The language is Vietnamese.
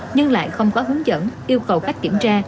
nhưng lại không có hướng dẫn yêu cầu cách kiểm tra